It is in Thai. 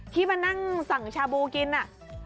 ที่มานั่งสั่งชาบูกินน่ะ